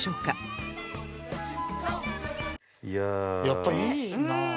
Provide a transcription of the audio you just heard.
やっぱいいなあ。